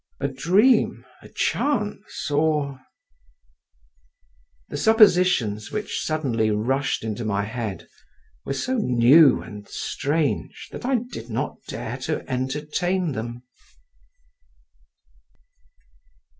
"A dream, a chance, or …" The suppositions which suddenly rushed into my head were so new and strange that I did not dare to entertain them.